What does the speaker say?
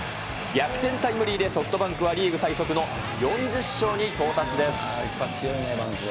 逆点タイムリーで、ソフトバンクはリーグ最速の４０勝に到達です。